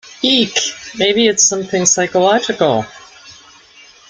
Eek! Maybe it’s something psychological?